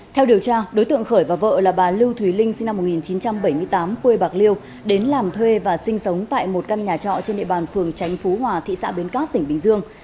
theo điều tra đối tượng khởi và vợ là bà lưu thúy linh sinh năm một nghìn chín trăm bảy mươi tám quê bạc liêu đến làm thuê và sinh sống tại một căn nhà trọ trên địa bàn phường tránh phú hòa thị xã bến cát tỉnh bình dương